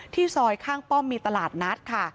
ซอยข้างป้อมมีตลาดนัดค่ะ